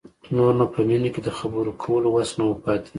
نور نو په مينې کې د خبرو کولو وس نه و پاتې.